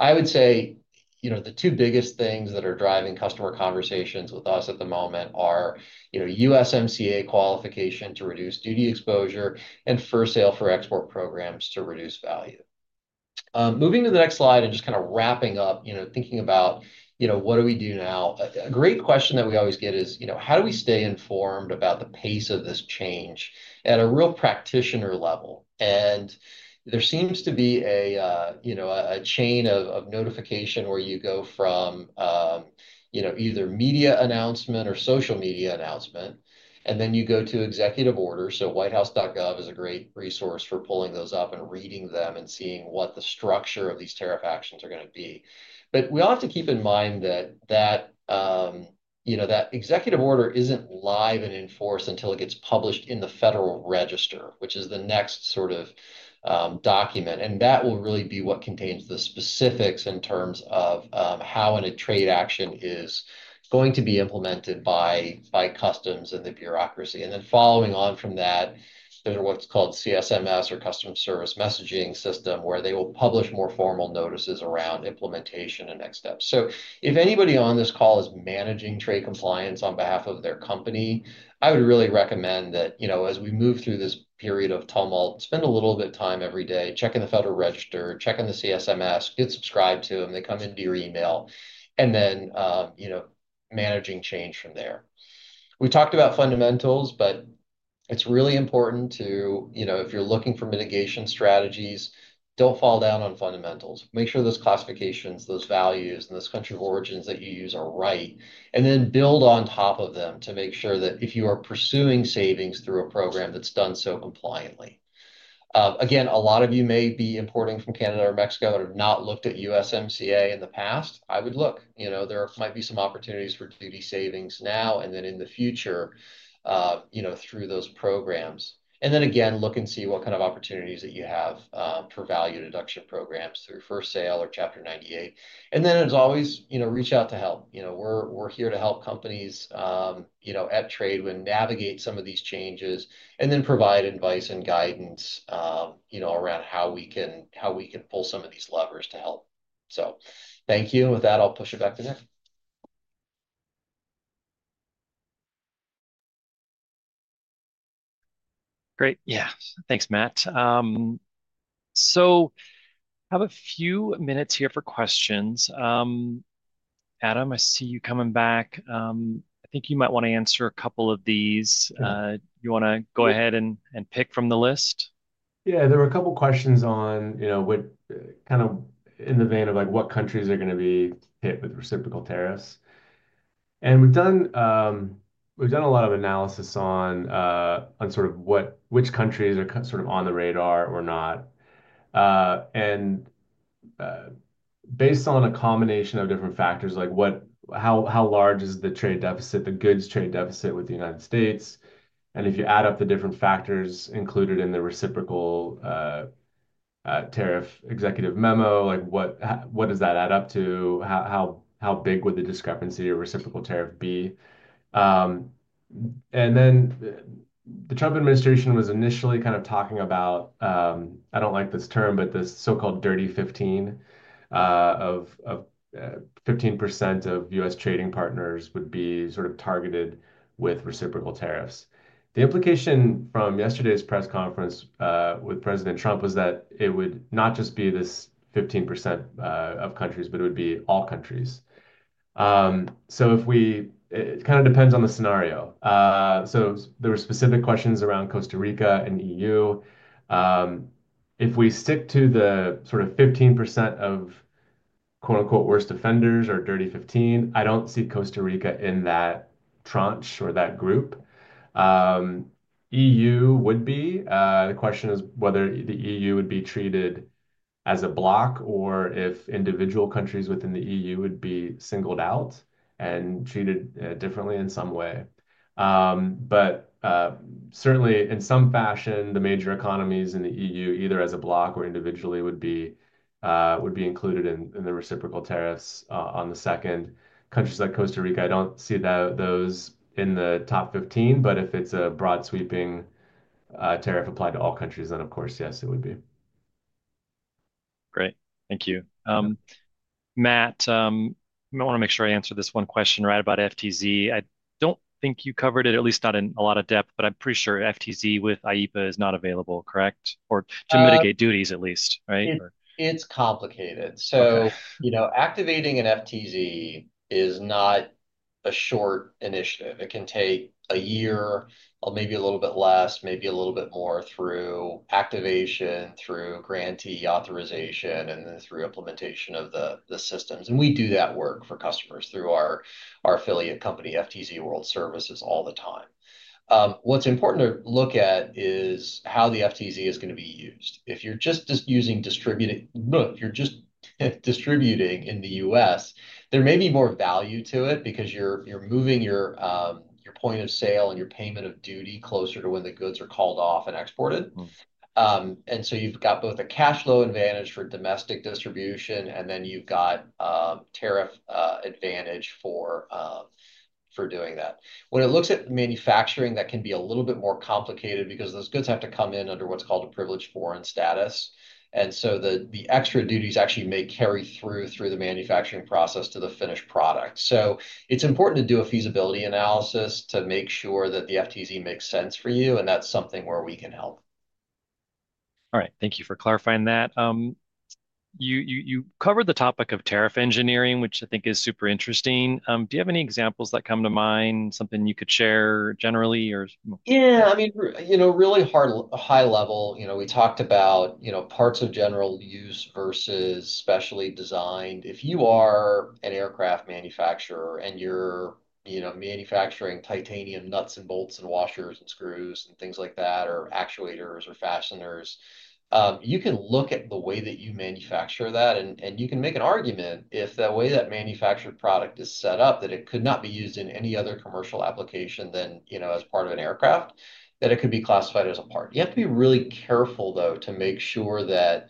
I would say the two biggest things that are driving customer conversations with us at the moment are USMCA qualification to reduce duty exposure and First Sale for Export programs to reduce value. Moving to the next slide and just kind of wrapping up, thinking about what do we do now? A great question that we always get is, how do we stay informed about the pace of this change at a real practitioner level? There seems to be a chain of notification where you go from either media announcement or social media announcement, and then you go to executive orders. WhiteHouse.gov is a great resource for pulling those up and reading them and seeing what the structure of these tariff actions are going to be. We all have to keep in mind that that executive order isn't live and in force until it gets published in the Federal Register, which is the next sort of document. That will really be what contains the specifics in terms of how a trade action is going to be implemented by Customs and the bureaucracy. Following on from that, there's what's called CSMS or Customs Service Messaging System, where they will publish more formal notices around implementation and next steps. If anybody on this call is managing trade compliance on behalf of their company, I would really recommend that as we move through this period of tumult, spend a little bit of time every day checking the Federal Register, checking the CSMS, get subscribed to them, they come into your email, and then managing change from there. We talked about fundamentals, but it's really important to, if you're looking for mitigation strategies, don't fall down on fundamentals. Make sure those classifications, those values, and those country of origins that you use are right. Then build on top of them to make sure that if you are pursuing savings through a program that's done so compliantly. Again, a lot of you may be importing from Canada or Mexico and have not looked at USMCA in the past. I would look. There might be some opportunities for duty savings now and then in the future through those programs. Again, look and see what kind of opportunities that you have for value deduction programs through First Sale or Chapter 98. As always, reach out to help. We are here to help companies at Tradewin navigate some of these changes and provide advice and guidance around how we can pull some of these levers to help. Thank you. With that, I will push it back to Nick. Great. Yeah. Thanks, Matt. We have a few minutes here for questions. Adam, I see you coming back. I think you might want to answer a couple of these. You want to go ahead and pick from the list? Yeah. There were a couple of questions on kind of in the vein of what countries are going to be hit with reciprocal tariffs. We've done a lot of analysis on sort of which countries are sort of on the radar or not. Based on a combination of different factors, how large is the trade deficit, the goods trade deficit with the United States? If you add up the different factors included in the reciprocal tariff executive memo, what does that add up to? How big would the discrepancy or reciprocal tariff be? The Trump administration was initially kind of talking about, I don't like this term, but the so-called Dirty 15, of 15% of U.S. trading partners would be sort of targeted with reciprocal tariffs. The implication from yesterday's press conference with President Trump was that it would not just be this 15% of countries, but it would be all countries. It kind of depends on the scenario. There were specific questions around Costa Rica and EU. If we stick to the sort of 15% of "worst offenders" or Dirty 15, I don't see Costa Rica in that tranche or that group. EU would be. The question is whether the EU would be treated as a bloc or if individual countries within the EU would be singled out and treated differently in some way. Certainly, in some fashion, the major economies in the EU, either as a bloc or individually, would be included in the reciprocal tariffs on the second. Countries like Costa Rica, I don't see those in the top 15, but if it's a broad sweeping tariff applied to all countries, then of course, yes, it would be. Great. Thank you. Matt, I want to make sure I answered this one question right about FTZ. I don't think you covered it, at least not in a lot of depth, but I'm pretty sure FTZ with IEEPA is not available, correct? Or to mitigate duties at least, right? It's complicated. Activating an FTZ is not a short initiative. It can take a year, maybe a little bit less, maybe a little bit more through activation, through grantee authorization, and then through implementation of the systems. We do that work for customers through our affiliate company, FTZ World Services, all the time. What's important to look at is how the FTZ is going to be used. If you're just using distributing in the U.S., there may be more value to it because you're moving your point of sale and your payment of duty closer to when the goods are called off and exported. You have both a cash flow advantage for domestic distribution, and then you have tariff advantage for doing that. When it looks at manufacturing, that can be a little bit more complicated because those goods have to come in under what's called a Privileged Foreign status. The extra duties actually may carry through through the manufacturing process to the finished product. It is important to do a feasibility analysis to make sure that the FTZ makes sense for you, and that's something where we can help. All right. Thank you for clarifying that. You covered the topic of tariff engineering, which I think is super interesting. Do you have any examples that come to mind, something you could share generally or? Yeah. I mean, really high level, we talked about parts of general use versus specially designed. If you are an aircraft manufacturer and you're manufacturing titanium nuts and bolts and washers and screws and things like that, or actuators or fasteners, you can look at the way that you manufacture that. You can make an argument if the way that manufactured product is set up, that it could not be used in any other commercial application than as part of an aircraft, that it could be classified as a part. You have to be really careful, though, to make sure that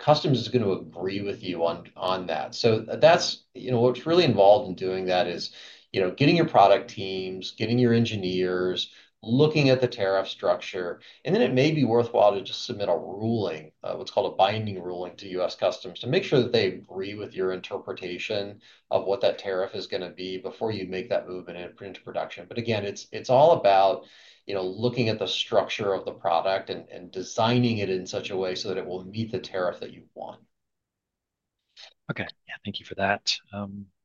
Customs is going to agree with you on that. What's really involved in doing that is getting your product teams, getting your engineers, looking at the tariff structure. It may be worthwhile to just submit a ruling, what's called a binding ruling, to U.S. Customs to make sure that they agree with your interpretation of what that tariff is going to be before you make that move into production. Again, it's all about looking at the structure of the product and designing it in such a way so that it will meet the tariff that you want. Okay. Yeah. Thank you for that.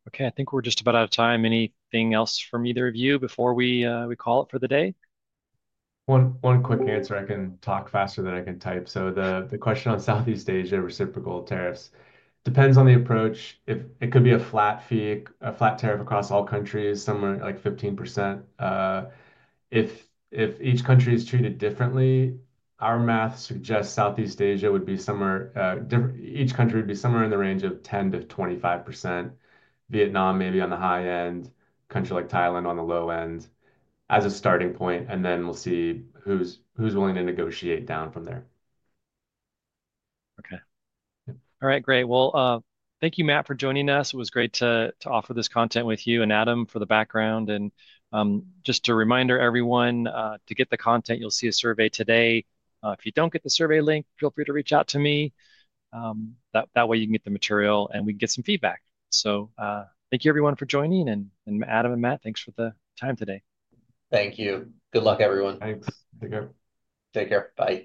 Okay. I think we're just about out of time. Anything else from either of you before we call it for the day? One quick answer. I can talk faster than I can type. The question on Southeast Asia reciprocal tariffs depends on the approach. It could be a flat tariff across all countries, somewhere like 15%. If each country is treated differently, our math suggests Southeast Asia would be somewhere, each country would be somewhere in the range of 10%-25%, Vietnam maybe on the high end, a country like Thailand on the low end as a starting point. We will see who's willing to negotiate down from there. Okay. All right. Great. Thank you, Matt, for joining us. It was great to offer this content with you and Adam for the background. Just a reminder, everyone, to get the content, you'll see a survey today. If you don't get the survey link, feel free to reach out to me. That way, you can get the material and we can get some feedback. Thank you, everyone, for joining. Adam and Matt, thanks for the time today. Thank you. Good luck, everyone. Thanks. Take care. Take care. Bye.